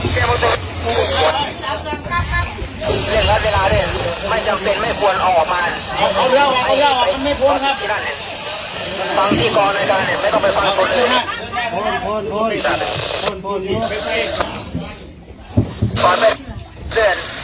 สวัสดีครับ